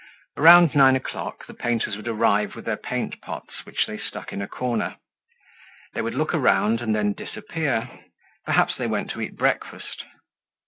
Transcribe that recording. Around nine o'clock the painters would arrive with their paint pots which they stuck in a corner. They would look around and then disappear. Perhaps they went to eat breakfast.